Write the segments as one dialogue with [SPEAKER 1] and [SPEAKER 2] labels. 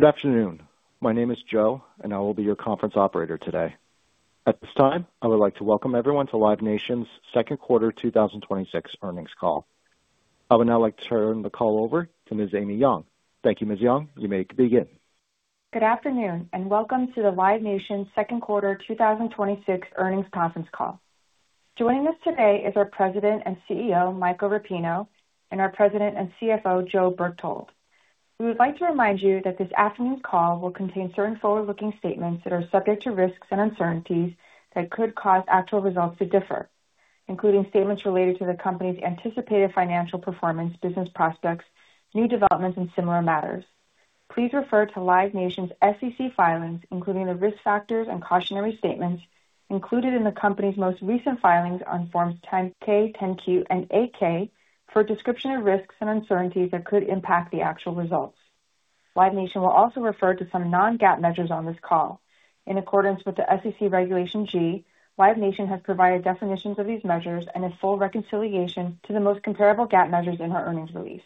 [SPEAKER 1] Good afternoon. My name is Joe, and I will be your conference operator today. At this time, I would like to welcome everyone to Live Nation's second quarter 2026 earnings call. I would now like to turn the call over to Ms. Amy Yong. Thank you, Ms. Yong. You may begin.
[SPEAKER 2] Good afternoon, and welcome to the Live Nation second quarter 2026 earnings conference call. Joining us today is our President and CEO, Michael Rapino, and our President and CFO, Joe Berchtold. We would like to remind you that this afternoon's call will contain certain forward-looking statements that are subject to risks and uncertainties that could cause actual results to differ, including statements related to the company's anticipated financial performance, business prospects, new developments, and similar matters. Please refer to Live Nation's SEC filings, including the risk factors and cautionary statements included in the company's most recent filings on forms 10-K, 10-Q and 8-K, for a description of risks and uncertainties that could impact the actual results. Live Nation will also refer to some non-GAAP measures on this call. In accordance with the SEC Regulation G, Live Nation has provided definitions of these measures and a full reconciliation to the most comparable GAAP measures in our earnings release.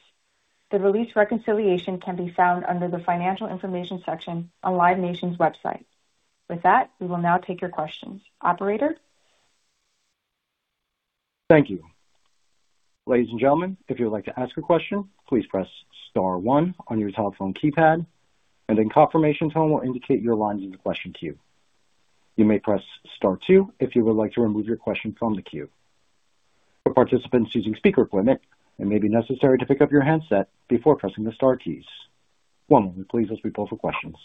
[SPEAKER 2] The release reconciliation can be found under the financial information section on Live Nation's website. With that, we will now take your questions. Operator?
[SPEAKER 1] Thank you. Ladies and gentlemen, if you would like to ask a question, please press star one on your telephone keypad and then confirmation tone will indicate your line's in the question queue. You may press star two if you would like to remove your question from the queue. For participants using speaker equipment, it may be necessary to pick up your handset before pressing the star keys. One moment please, as we pull for questions.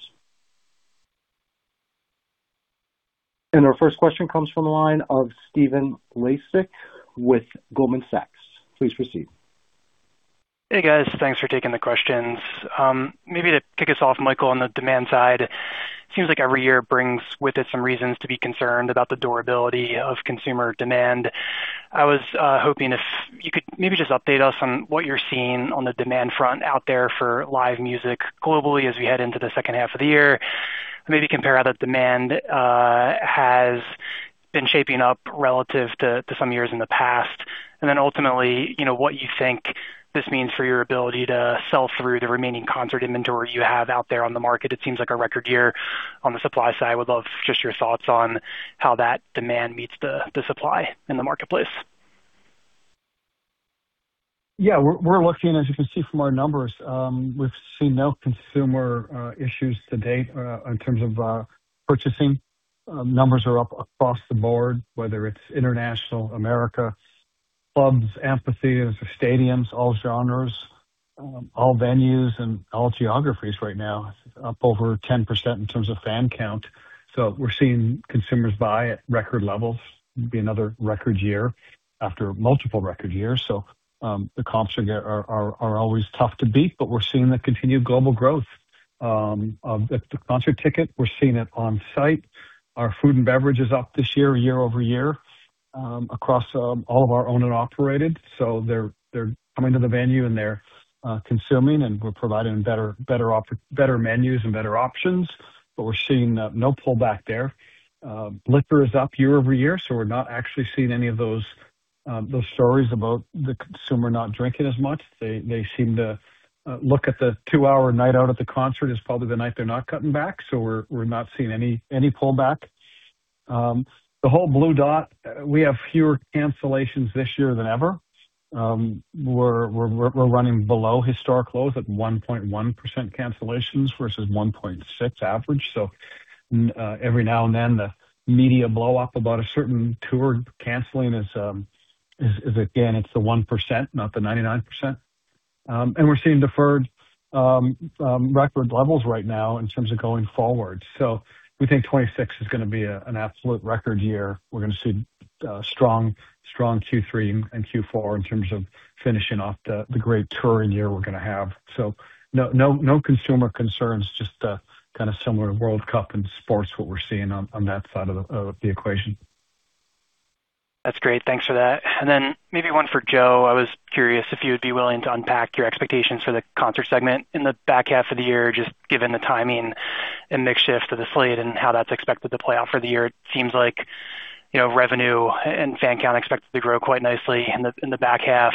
[SPEAKER 1] Our first question comes from the line of Stephen Laszczyk with Goldman Sachs. Please proceed.
[SPEAKER 3] Hey, guys. Thanks for taking the questions. Maybe to kick us off, Michael, on the demand side, seems like every year brings with it some reasons to be concerned about the durability of consumer demand. I was hoping if you could maybe just update us on what you're seeing on the demand front out there for live music globally as we head into the second half of the year. Maybe compare how the demand has been shaping up relative to some years in the past, ultimately, what you think this means for your ability to sell through the remaining concert inventory you have out there on the market. It seems like a record year on the supply side. Would love just your thoughts on how that demand meets the supply in the marketplace?
[SPEAKER 4] We're lucky enough, as you can see from our numbers. We've seen no consumer issues to-date, in terms of purchasing. Numbers are up across the board, whether it's international, America, clubs, amphitheater, stadiums, all genres, all venues, and all geographies right now, up over 10% in terms of fan count. We're seeing consumers buy at record levels. It'll be another record year after multiple record years. The comps are always tough to beat, but we're seeing the continued global growth of the concert ticket. We're seeing it on site. Our food and beverage is up this year-over-year, across all of our owned and operated. They're coming to the venue and they're consuming, and we're providing better menus and better options. We're seeing no pullback there. Liquor is up year-over-year, we're not actually seeing any of those stories about the consumer not drinking as much. They seem to look at the two-hour night out at the concert is probably the night they're not cutting back. We're not seeing any pullback. The whole blue dot, we have fewer cancellations this year than ever. We're running below historic lows at 1.1% cancellations versus 1.6 average. Every now and then, the media blow up about a certain tour canceling, again, it's the 1%, not the 99%. We're seeing deferred record levels right now in terms of going forward. We think 2026 is going to be an absolute record year. We're going to see a strong Q3 and Q4 in terms of finishing off the great touring year we're going to have. No consumer concerns, just a kind of similar World Cup in sports, what we're seeing on that side of the equation.
[SPEAKER 3] That's great. Thanks for that. Maybe one for Joe. I was curious if you would be willing to unpack your expectations for the concert segment in the back half of the year, just given the timing and mix shift of the slate and how that's expected to play out for the year. It seems like revenue and fan count expected to grow quite nicely in the back half.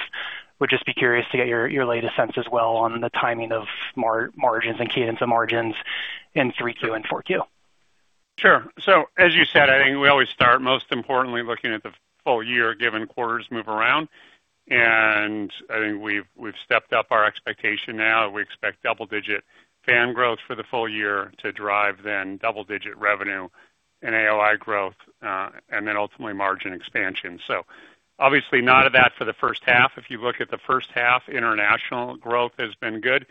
[SPEAKER 3] Would just be curious to get your latest sense as well on the timing of margins and cadence of margins in 3Q and 4Q.
[SPEAKER 5] Sure. As you said, I think we always start most importantly looking at the full year, given quarters move around. I think we've stepped up our expectation now. We expect double-digit fan growth for the full year to drive double-digit revenue and AOI growth, and then ultimately margin expansion. Obviously none of that for the first half. If you look at the first half, international growth has been good,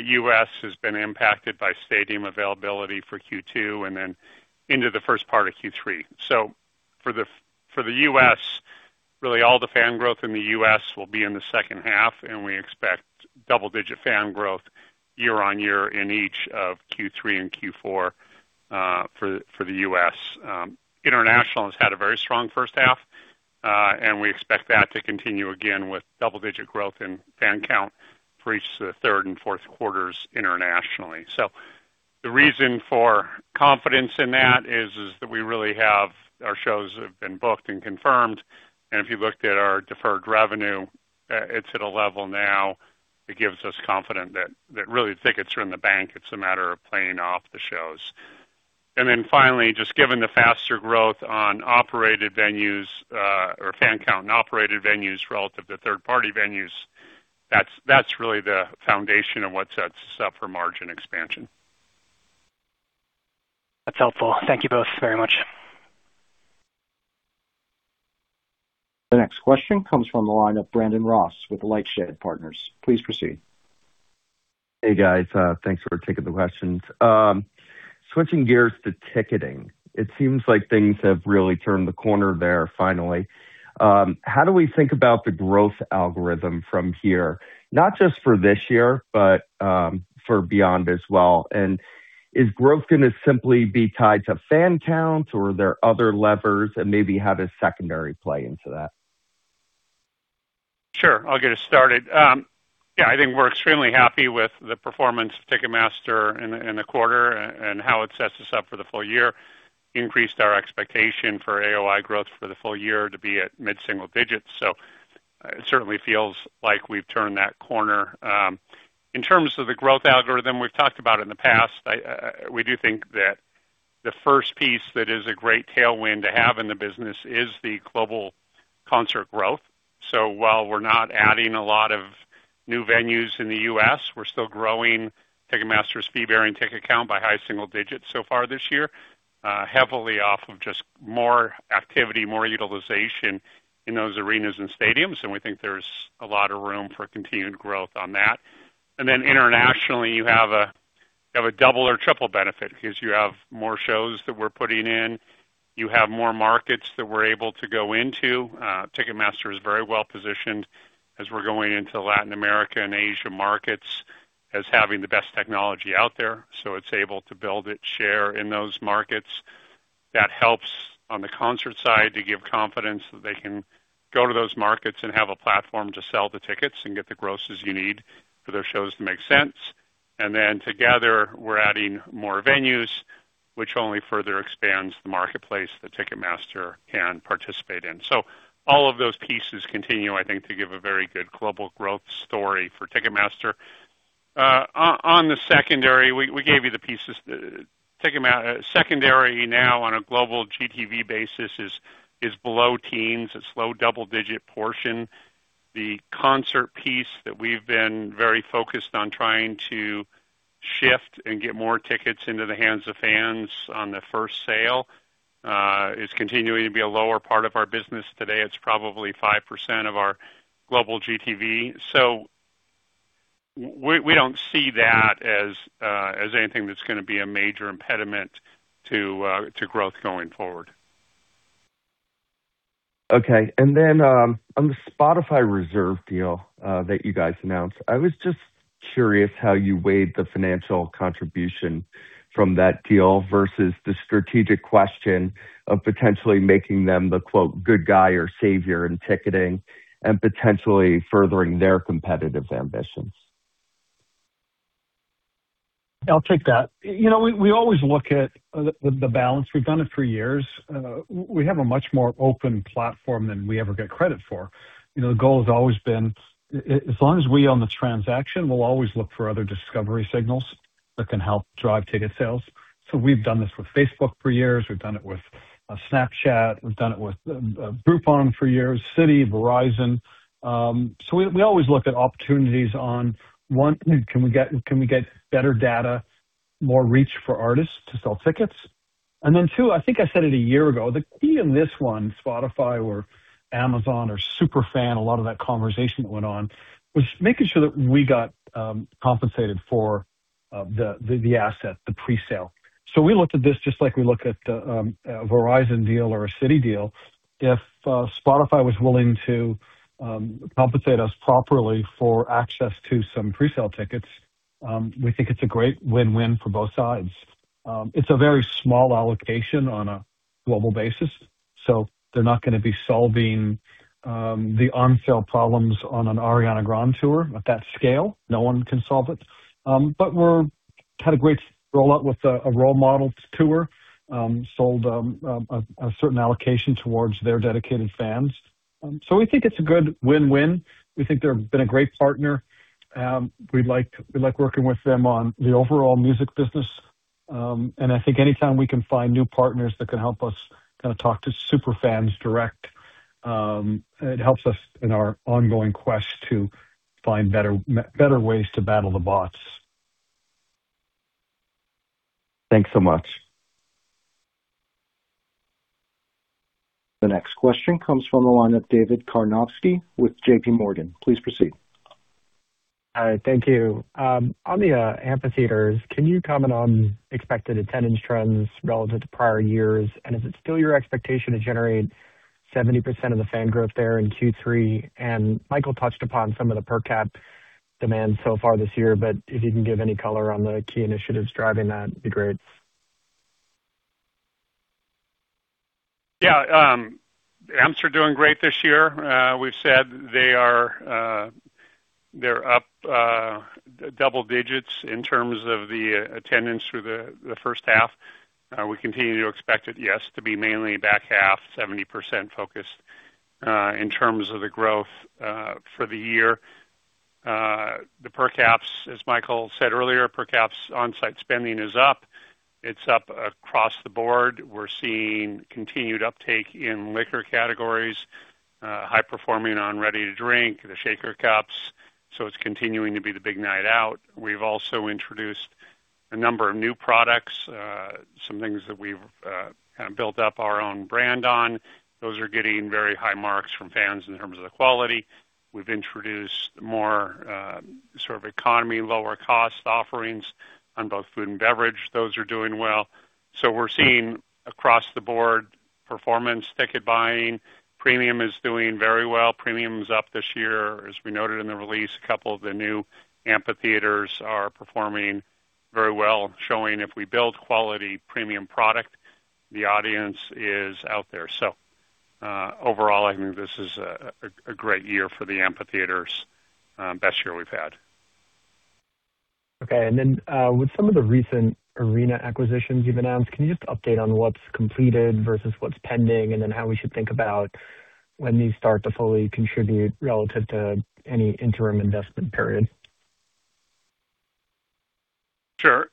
[SPEAKER 5] U.S. has been impacted by stadium availability for Q2 into the first part of Q3. For the U.S., really all the fan growth in the U.S. will be in the second half, we expect double-digit fan growth year-on-year in each of Q3 and Q4 for the U.S. International has had a very strong first half, we expect that to continue again with double-digit growth in fan count for each of the third and fourth quarters internationally. The reason for confidence in that is that we really have our shows have been booked and confirmed. If you looked at our deferred revenue, it's at a level now that gives us confidence that really tickets are in the bank. It's a matter of playing off the shows. Finally, just given the faster growth on operated venues or fan count and operated venues relative to third-party venues, that's really the foundation of what sets us up for margin expansion.
[SPEAKER 3] That's helpful. Thank you both very much.
[SPEAKER 1] The next question comes from the line of Brandon Ross with LightShed Partners. Please proceed.
[SPEAKER 6] Hey, guys. Thanks for taking the questions. Switching gears to ticketing, it seems like things have really turned the corner there finally. How do we think about the growth algorithm from here, not just for this year, but for beyond as well? Is growth going to simply be tied to fan counts or are there other levers that maybe have a secondary play into that?
[SPEAKER 5] Sure. I'll get us started. Yeah, I think we're extremely happy with the performance of Ticketmaster in the quarter and how it sets us up for the full year. Increased our expectation for AOI growth for the full year to be at mid-single digits. It certainly feels like we've turned that corner. In terms of the growth algorithm we've talked about in the past, we do think that the first piece that is a great tailwind to have in the business is the global concert growth. While we're not adding a lot of new venues in the U.S., we're still growing Ticketmaster's fee-bearing ticket count by high single digits so far this year, heavily off of just more activity, more utilization in those arenas and stadiums. We think there's a lot of room for continued growth on that. Then internationally, you have a double or triple benefit because you have more shows that we're putting in. You have more markets that we're able to go into. Ticketmaster is very well-positioned as we're going into Latin America and Asia markets as having the best technology out there, it's able to build its share in those markets. That helps on the concert side to give confidence that they can go to those markets and have a platform to sell the tickets and get the grosses you need for those shows to make sense. Together, we're adding more venues, which only further expands the marketplace that Ticketmaster can participate in. All of those pieces continue, I think, to give a very good global growth story for Ticketmaster. On the secondary, we gave you the pieces. Secondary now on a global GTV basis is below teens. It's low double-digit portion. The concert piece that we've been very focused on trying to shift and get more tickets into the hands of fans on the first sale is continuing to be a lower part of our business today. It's probably 5% of our global GTV. We don't see that as anything that's going to be a major impediment to growth going forward.
[SPEAKER 6] Okay. Then on the Spotify Reserved deal that you guys announced, I was just curious how you weighed the financial contribution from that deal versus the strategic question of potentially making them the "good guy or savior in ticketing" and potentially furthering their competitive ambitions.
[SPEAKER 4] I'll take that. We always look at the balance. We've done it for years. We have a much more open platform than we ever get credit for. The goal has always been, as long as we own the transaction, we'll always look for other discovery signals that can help drive ticket sales. We've done this with Facebook for years. We've done it with Snapchat. We've done it with Groupon for years, Citi, Verizon. We always look at opportunities on, one, can we get better data, more reach for artists to sell tickets? Then two, I think I said it a year ago, the key in this one, Spotify or Amazon or Superfan, a lot of that conversation that went on was making sure that we got compensated for the asset, the presale. We looked at this just like we look at a Verizon deal or a Citi deal. If Spotify was willing to compensate us properly for access to some presale tickets, we think it's a great win-win for both sides. It's a very small allocation on a global basis, so they're not going to be solving the on-sale problems on an Ariana Grande tour at that scale. No one can solve it. We had a great rollout with a Role Model tour, sold a certain allocation towards their dedicated fans. We think it's a good win-win. We think they've been a great partner. We like working with them on the overall music business. I think anytime we can find new partners that can help us talk to Superfans direct, it helps us in our ongoing quest to find better ways to battle the bots.
[SPEAKER 6] Thanks so much.
[SPEAKER 1] The next question comes from the line of David Karnovsky with JPMorgan. Please proceed.
[SPEAKER 7] Hi. Thank you. On the amphitheaters, can you comment on expected attendance trends relative to prior years? Is it still your expectation to generate 70% of the fan growth there in Q3? Michael touched upon some of the per cap demand so far this year, but if you can give any color on the key initiatives driving that, it would be great.
[SPEAKER 5] Yeah. Amps are doing great this year. We've said they're up double digits in terms of the attendance through the first half. We continue to expect it, yes, to be mainly back half, 70% focused in terms of the growth for the year. The per caps, as Michael said earlier, per caps onsite spending is up. It's up across the board. We're seeing continued uptake in liquor categories, high performing on ready to drink, the shaker cups. It's continuing to be the big night out. We've also introduced a number of new products, some things that we've built up our own brand on. Those are getting very high marks from fans in terms of the quality. We've introduced more economy, lower cost offerings on both food and beverage. Those are doing well. We're seeing across the board performance. Ticket buying premium is doing very well. Premium is up this year. As we noted in the release, a couple of the new amphitheaters are performing very well, showing if we build quality premium product, the audience is out there. Overall, I think this is a great year for the amphitheaters. Best year we've had.
[SPEAKER 7] Okay. With some of the recent arena acquisitions you've announced, can you just update on what's completed versus what's pending, and then how we should think about when these start to fully contribute relative to any interim investment period?
[SPEAKER 5] Sure.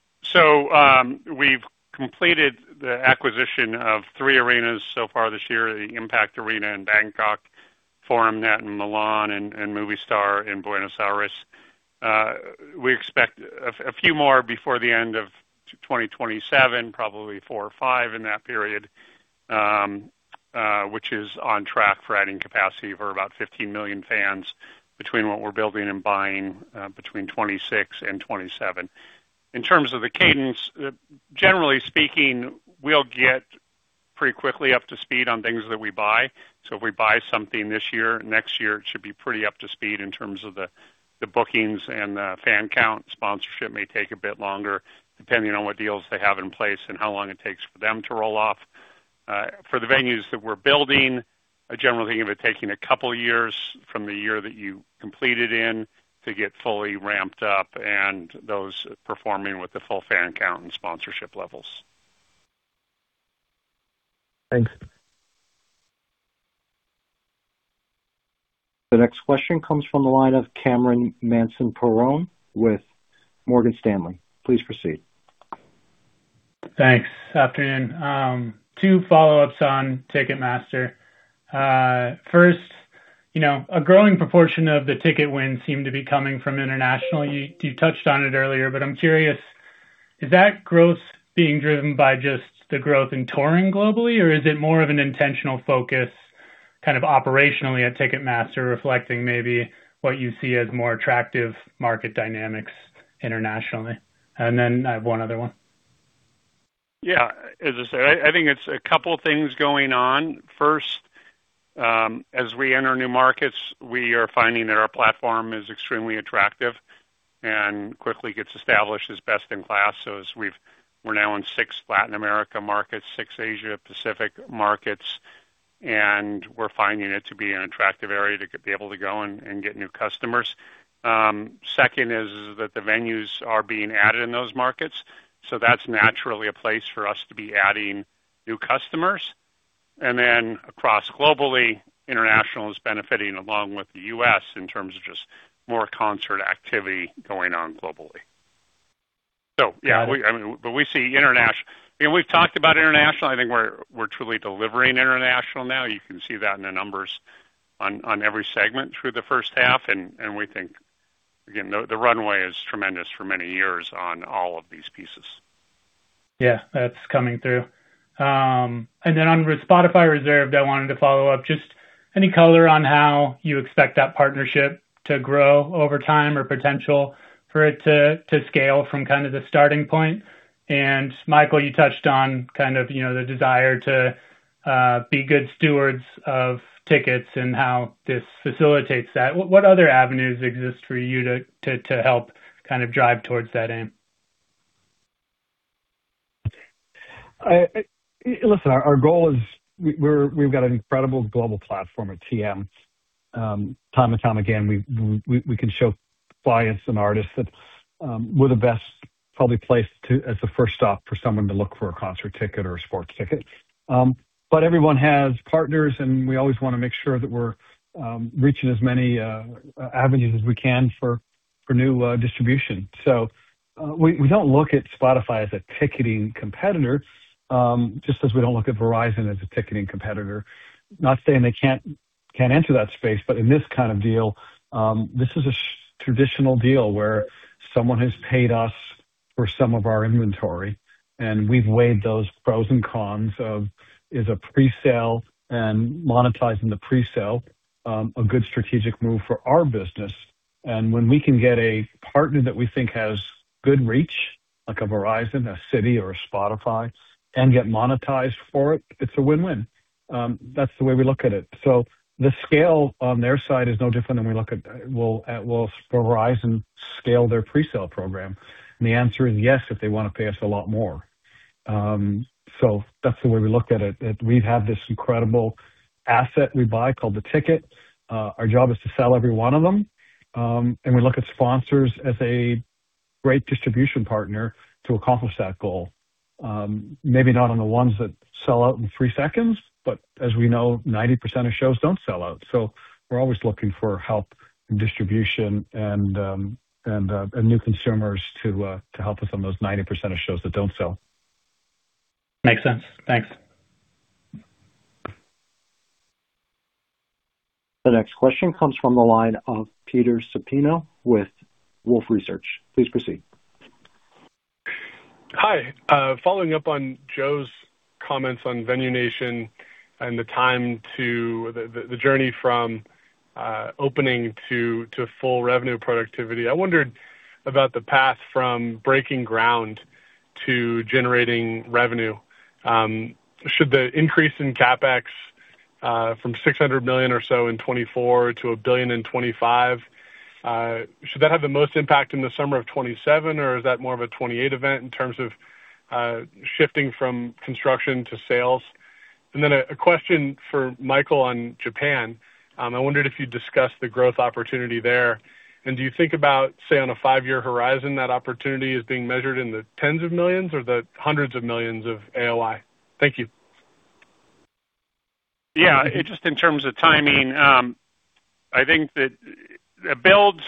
[SPEAKER 5] We've completed the acquisition of three arenas so far this year, the Impact Arena in Bangkok, Forum di Milano in Milan, and Movistar in Buenos Aires. We expect a few more before the end of 2027, probably four or five in that period, which is on track for adding capacity for about 15 million fans between what we're building and buying between 2026 and 2027. In terms of the cadence, generally speaking, we'll get pretty quickly up to speed on things that we buy. If we buy something this year, next year, it should be pretty up to speed in terms of the bookings and the fan count. Sponsorship may take a bit longer depending on what deals they have in place and how long it takes for them to roll off. For the venues that we're building, I generally think of it taking a couple of years from the year that you completed in to get fully ramped up and those performing with the full fan count and sponsorship levels.
[SPEAKER 7] Thanks.
[SPEAKER 1] The next question comes from the line of Cameron Mansson-Perrone with Morgan Stanley. Please proceed.
[SPEAKER 8] Thanks. Afternoon. Two follow-ups on Ticketmaster. First, a growing proportion of the ticket wins seem to be coming from international. You touched on it earlier, but I'm curious, is that growth being driven by just the growth in touring globally, or is it more of an intentional focus kind of operationally at Ticketmaster, reflecting maybe what you see as more attractive market dynamics internationally? Then I have one other one.
[SPEAKER 5] Yeah. As I said, I think it's a couple things going on. First, as we enter new markets, we are finding that our platform is extremely attractive and quickly gets established as best in class. As we're now in six Latin America markets, six Asia-Pacific markets, and we're finding it to be an attractive area to be able to go and get new customers. Second is that the venues are being added in those markets, so that's naturally a place for us to be adding new customers. Across globally, international is benefiting along with the U.S. in terms of just more concert activity going on globally. Yeah, we've talked about international. I think we're truly delivering international now. You can see that in the numbers on every segment through the first half. We think, again, the runway is tremendous for many years on all of these pieces.
[SPEAKER 8] Yeah, that's coming through. On Spotify Reserved, I wanted to follow up. Any color on how you expect that partnership to grow over time or potential for it to scale from kind of the starting point. Michael, you touched on kind of the desire to be good stewards of tickets and how this facilitates that. What other avenues exist for you to help kind of drive towards that aim?
[SPEAKER 4] Listen, our goal is we've got an incredible global platform at TM. Time and time again, we can show clients and artists that we're the best probably placed as a first stop for someone to look for a concert ticket or a sports ticket. Everyone has partners, and we always want to make sure that we're reaching as many avenues as we can for new distribution. We don't look at Spotify as a ticketing competitor, just as we don't look at Verizon as a ticketing competitor. Not saying they can't enter that space, in this kind of deal, this is a traditional deal where someone has paid us for some of our inventory, and we've weighed those pros and cons of, is a presale and monetizing the presale a good strategic move for our business? When we can get a partner that we think has good reach, like a Verizon, a Citi, or a Spotify, and get monetized for it's a win-win. That's the way we look at it. The scale on their side is no different than we look at will Verizon scale their presale program? The answer is yes, if they want to pay us a lot more. That's the way we look at it. That we have this incredible asset we buy called the ticket. Our job is to sell every one of them. We look at sponsors as a great distribution partner to accomplish that goal. Maybe not on the ones that sell out in three seconds, but as we know, 90% of shows don't sell out. We're always looking for help in distribution and new consumers to help us on those 90% of shows that don't sell.
[SPEAKER 8] Makes sense. Thanks.
[SPEAKER 1] The next question comes from the line of Peter Supino with Wolfe Research. Please proceed.
[SPEAKER 9] Hi. Following up on Joe's comments on Venue Nation and the journey from opening to full revenue productivity. I wondered about the path from breaking ground to generating revenue. Should the increase in CapEx from $600 million or so in 2024 to $1 billion in 2025, should that have the most impact in the summer of 2027, or is that more of a 2028 event in terms of shifting from construction to sales? A question for Michael on Japan. I wondered if you'd discuss the growth opportunity there. Do you think about, say, on a five-year horizon, that opportunity is being measured in the tens of millions or the hundreds of millions of AOI? Thank you.
[SPEAKER 5] Yeah. Just in terms of timing, I think that a build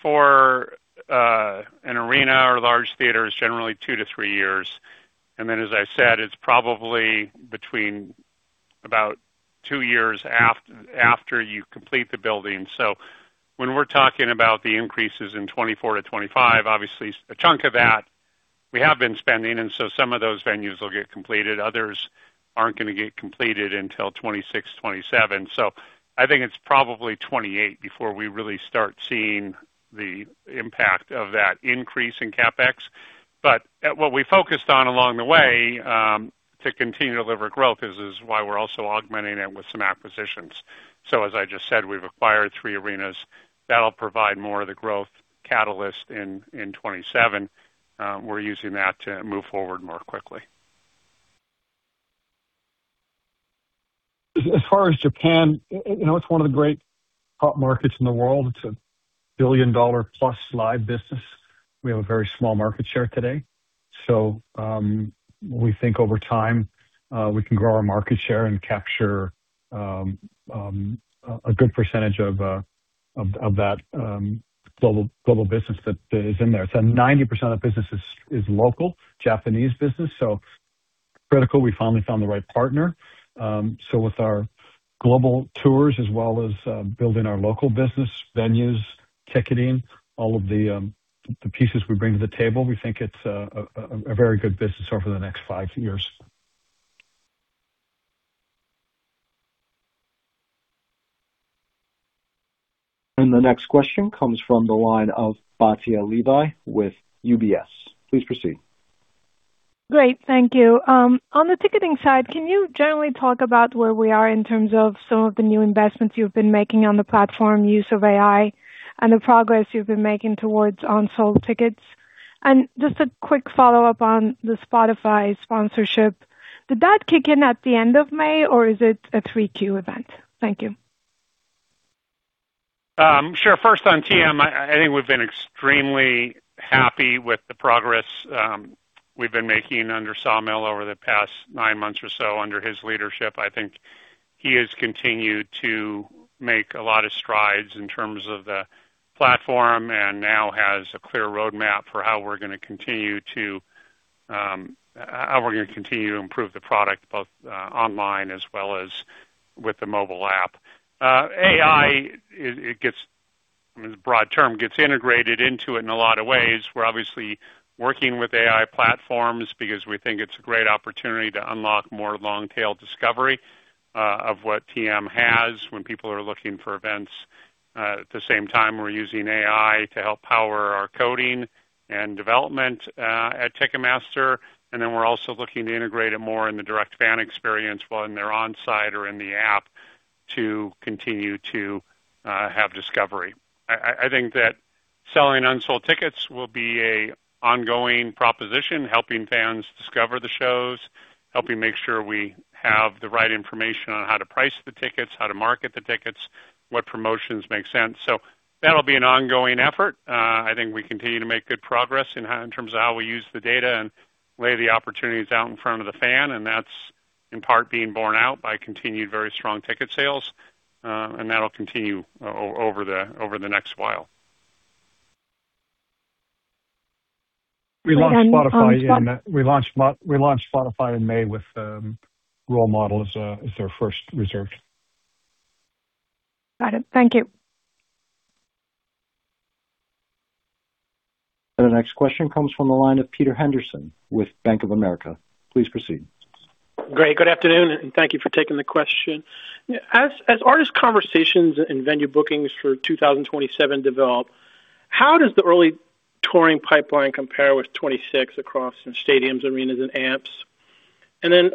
[SPEAKER 5] for an arena or large theater is generally two to three years. As I said, it's probably between about two years after you complete the building. When we're talking about the increases in 2024-2025, obviously a chunk of that we have been spending, some of those venues will get completed. Others aren't going to get completed until 2026-2027. I think it's probably 2028 before we really start seeing the impact of that increase in CapEx. What we focused on along the way to continue to deliver growth is why we're also augmenting it with some acquisitions. As I just said, we've acquired three arenas. That'll provide more of the growth catalyst in 2027. We're using that to move forward more quickly.
[SPEAKER 4] As far as Japan, it's one of the great pop markets in the world. It's a $1+ billion live business. We have a very small market share today. We think over time, we can grow our market share and capture a good percentage of that global business that is in there. 90% of business is local Japanese business. Critical, we finally found the right partner. With our global tours as well as building our local business venues, ticketing, all of the pieces we bring to the table, we think it's a very good business over the next five years.
[SPEAKER 1] The next question comes from the line of Batya Levi with UBS. Please proceed.
[SPEAKER 10] Great. Thank you. On the ticketing side, can you generally talk about where we are in terms of some of the new investments you've been making on the platform, use of AI, and the progress you've been making towards unsold tickets? Just a quick follow-up on the Spotify sponsorship. Did that kick in at the end of May, or is it a 3Q event? Thank you.
[SPEAKER 5] Sure. First on TM, I think we've been extremely happy with the progress we've been making under Samir over the past nine months or so under his leadership. I think he has continued to make a lot of strides in terms of the platform and now has a clear roadmap for how we're going to continue to improve the product, both online as well as with the mobile app. AI, broad term, gets integrated into it in a lot of ways. We're obviously working with AI platforms because we think it's a great opportunity to unlock more long-tail discovery of what TM has when people are looking for events. At the same time, we're using AI to help power our coding and development at Ticketmaster, and then we're also looking to integrate it more in the direct fan experience when they're on-site or in the app to continue to have discovery. I think that selling unsold tickets will be a ongoing proposition, helping fans discover the shows, helping make sure we have the right information on how to price the tickets, how to market the tickets, what promotions make sense. That'll be an ongoing effort. I think we continue to make good progress in terms of how we use the data and lay the opportunities out in front of the fan, and that's in part being borne out by continued very strong ticket sales. That'll continue over the next while.
[SPEAKER 4] We launched Spotify in May with Role Model as their first Reserved.
[SPEAKER 10] Got it. Thank you.
[SPEAKER 1] The next question comes from the line of Peter Henderson with Bank of America. Please proceed.
[SPEAKER 11] Great. Good afternoon, and thank you for taking the question. As artist conversations and venue bookings for 2027 develop, how does the early touring pipeline compare with 2026 across stadiums, arenas, and amps?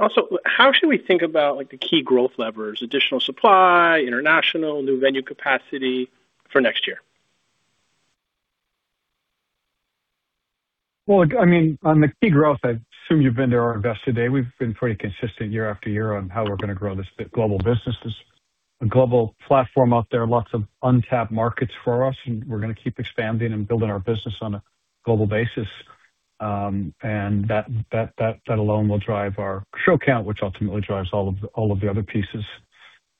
[SPEAKER 11] Also, how should we think about the key growth levers, additional supply, international, new venue capacity for next year?
[SPEAKER 4] Well, on the key growth, I assume you've been to our investor day. We've been pretty consistent year-after-year on how we're going to grow this global business. There's a global platform out there, lots of untapped markets for us, and we're going to keep expanding and building our business on a global basis. That alone will drive our show count, which ultimately drives all of the other pieces.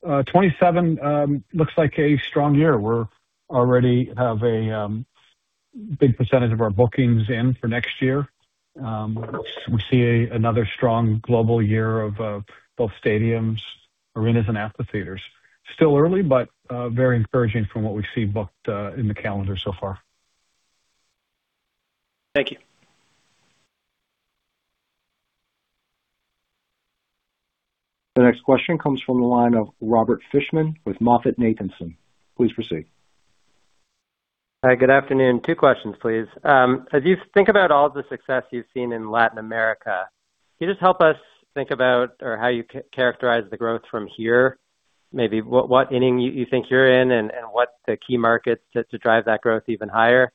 [SPEAKER 4] 2027 looks like a strong year. We already have a big percentage of our bookings in for next year. We see another strong global year of both stadiums, arenas, and amphitheaters. Still early, but very encouraging from what we see booked in the calendar so far.
[SPEAKER 11] Thank you.
[SPEAKER 1] The next question comes from the line of Robert Fishman with MoffettNathanson. Please proceed.
[SPEAKER 12] Hi, good afternoon. Two questions, please. As you think about all of the success you've seen in Latin America, can you just help us think about or how you characterize the growth from here? Maybe what inning you think you're in and what the key markets to drive that growth even higher.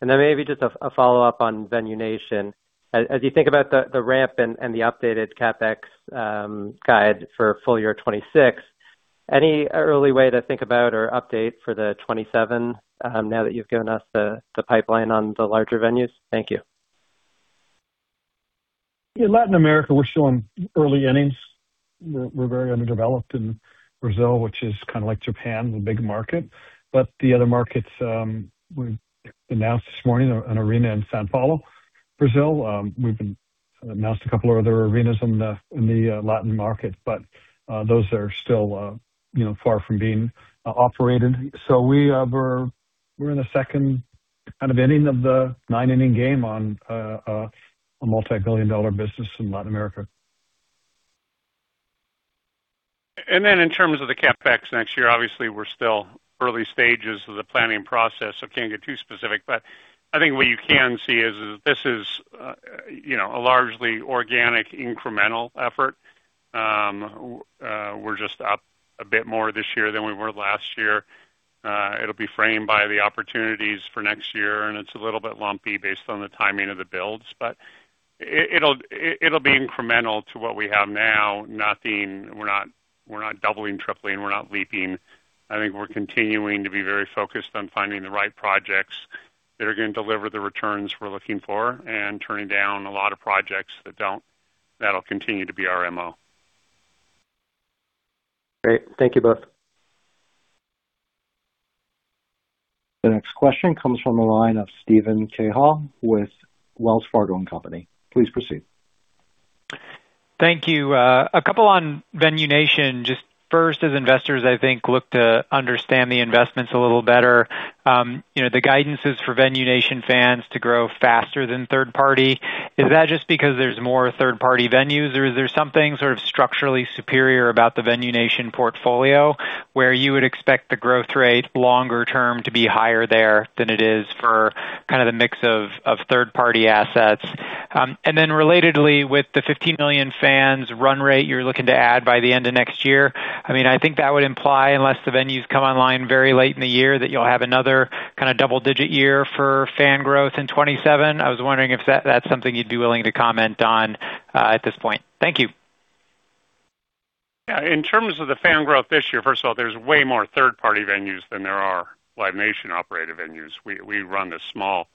[SPEAKER 12] Then maybe just a follow-up on Venue Nation. As you think about the ramp and the updated CapEx guide for full year 2026, any early way to think about or update for 2027 now that you've given us the pipeline on the larger venues? Thank you.
[SPEAKER 4] In Latin America, we're still in early innings. We're very underdeveloped in Brazil, which is kind of like Japan, the big market. The other markets, we announced this morning, an arena in São Paulo, Brazil. We've announced a couple of other arenas in the Latin market, those are still far from being operated. We're in the second inning of the nine-inning game on a multi-billion dollar business in Latin America.
[SPEAKER 5] In terms of the CapEx next year, obviously, we're still early stages of the planning process, can't get too specific. I think what you can see is this is a largely organic, incremental effort. We're just up a bit more this year than we were last year. It'll be framed by the opportunities for next year, and it's a little bit lumpy based on the timing of the builds. It'll be incremental to what we have now. We're not doubling, tripling, we're not leaping. I think we're continuing to be very focused on finding the right projects that are going to deliver the returns we're looking for and turning down a lot of projects that don't. That'll continue to be our MO.
[SPEAKER 12] Great. Thank you both.
[SPEAKER 1] The next question comes from the line of Steven Cahall with Wells Fargo & Company. Please proceed.
[SPEAKER 13] Thank you. A couple on Venue Nation. Just first, as investors, I think, look to understand the investments a little better. The guidance is for Venue Nation fans to grow faster than third-party. Is that just because there's more third-party venues, or is there something structurally superior about the Venue Nation portfolio where you would expect the growth rate longer term to be higher there than it is for the mix of third-party assets? Then relatedly, with the 15 million fans run rate you're looking to add by the end of next year, I think that would imply, unless the venues come online very late in the year, that you'll have another double-digit year for fan growth in 2027. I was wondering if that's something you'd be willing to comment on at this point. Thank you.
[SPEAKER 5] Yeah. In terms of the fan growth this year, first of all, there's way more third-party venues than there are Live Nation-operated venues. We run the small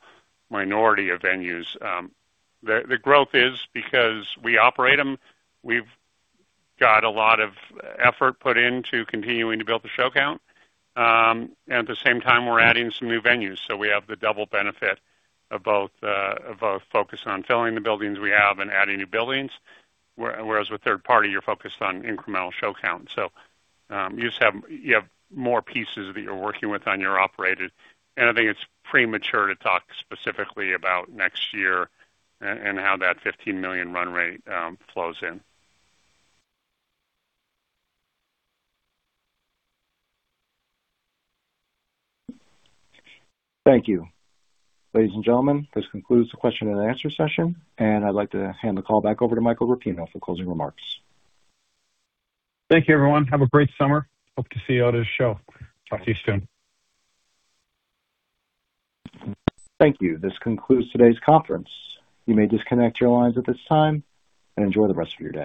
[SPEAKER 5] minority of venues. The growth is because we operate them. We've got a lot of effort put into continuing to build the show count. At the same time, we're adding some new venues. We have the double benefit of both focus on filling the buildings we have and adding new buildings. Whereas with third-party, you're focused on incremental show count. You have more pieces that you're working with on your operated. I think it's premature to talk specifically about next year and how that 15 million run rate flows in.
[SPEAKER 1] Thank you. Ladies and gentlemen, this concludes the question and answer session. I'd like to hand the call back over to Michael Rapino for closing remarks.
[SPEAKER 4] Thank you, everyone. Have a great summer. Hope to see you all at a show. Talk to you soon.
[SPEAKER 1] Thank you. This concludes today's conference. You may disconnect your lines at this time and enjoy the rest of your day.